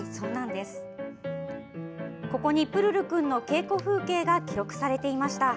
ここに、「プルルくん」の稽古風景が記録されていました。